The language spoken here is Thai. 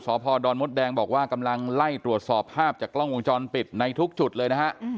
สพดอนมดแดงบอกว่ากำลังไล่ตรวจสอบภาพจากกล้องวงจรปิดในทุกจุดเลยนะฮะ